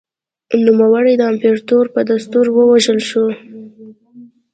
نوموړی د امپراتور په دستور ووژل شو